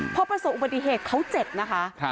เพราะประสงค์อุปสรรค์เขาเจ็ดนะคะ